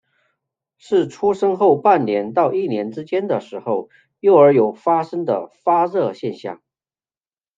是出生后半年到一年之间的时候幼儿有发生的发热现象。